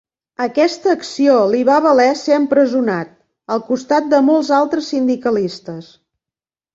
Aquesta acció li va valer ser empresonat, al costat de molts altres sindicalistes.